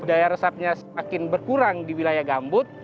daya resapnya semakin berkurang di wilayah gambut